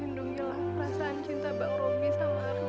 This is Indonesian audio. pelindungilah perasaan cinta bang rody sama arun